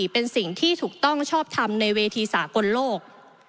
เป็นสิ่งที่ถูกต้องชอบทำในเวทีสากลโลก